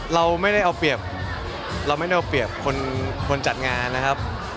เราไม่ได้เอาเปรียบคนจัดงานนะครับ